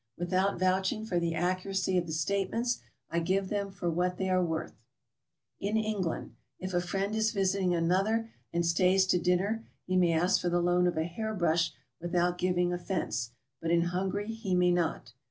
Without vouching for the accuracy of the statements, I give them for what they are worth: — In England, if a friend is visiting another, and stays to dinner, he may ask for the loan of a hairbrush without giving offence; but in Hungary he may not.